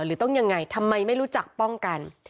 หรือต้องยังไงทำไมไม่รู้จักป้องกัน